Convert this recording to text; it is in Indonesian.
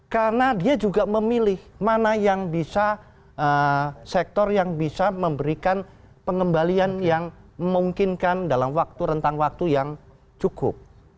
karena dia juga memilih mana yang bisa sektor yang bisa memberikan pengembalian yang memungkinkan dalam waktu rentang waktu yang cukup